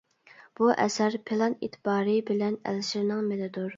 بۇ ئەسەر پىلان ئېتىبارى بىلەن ئەلىشىرنىڭ مېلىدۇر.